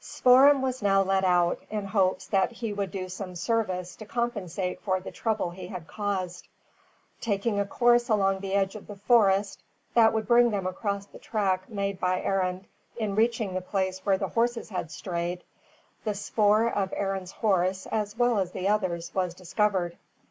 Spoor'em was now led out, in hopes that he would do some service to compensate for the trouble he had caused. Taking a course along the edge of the forest, that would bring them across the track made by Arend in reaching the place where the horse had strayed, the spoor of Arend's horse as well as the other's was discovered.